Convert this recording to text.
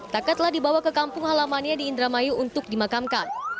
taka telah dibawa ke kampung halamannya di indramayu untuk dimakamkan